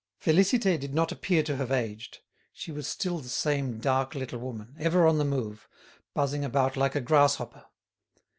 Félicité did not appear to have aged; she was still the same dark little woman, ever on the move, buzzing about like a grasshopper.